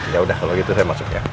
yaudah kalau gitu saya masuk ya